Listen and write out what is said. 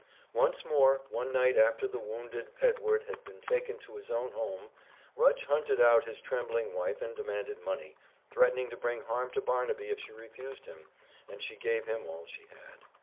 Once more, one night after the wounded Edward had been taken to his own home, Rudge hunted out his trembling wife and demanded money, threatening to bring harm to Barnaby if she refused him, and she gave him all she had.